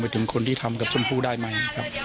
ถึงคนที่ทำกับชมพู่ได้ไหมครับ